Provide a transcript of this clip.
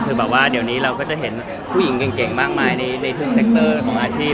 คือแบบว่าเดี๋ยวนี้เราก็จะเห็นผู้หญิงเก่งมากมายในพรีเซคเตอร์ของอาชีพ